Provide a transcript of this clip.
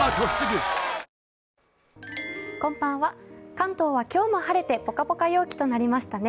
関東は今日も晴れてポカポカ陽気となりましたね。